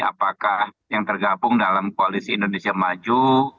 apakah yang tergabung dalam koalisi indonesia maju